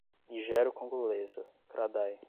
Nigero-congolesa, Kra-Dai